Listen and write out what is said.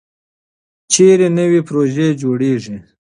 چېرته نوې پروژې جوړېږي؟